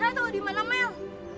saya tahu di mana mel